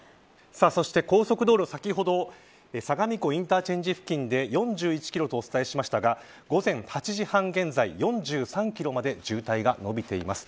そして高速道路先ほど相模湖インターチェンジ付近で４１キロとお伝えしましたが午前８時半現在、４３キロまで渋滞が延びています。